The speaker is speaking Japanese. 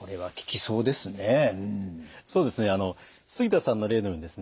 そうですね